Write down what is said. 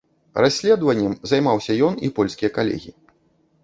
Расследаваннем займаўся ён і польскія калегі.